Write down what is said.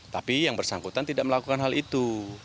tapi yang bersangkutan tidak melakukan hal itu